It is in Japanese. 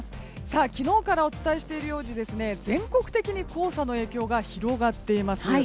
昨日からお伝えしているように全国的に黄砂の影響が広がっています。